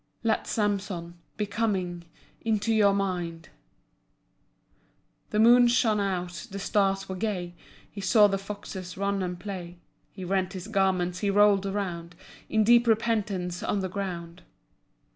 Let Samson Be coming Into your mind. The moon shone out, the stars were gay. He saw the foxes run and play. He rent his garments, he rolled around In deep repentance on the ground.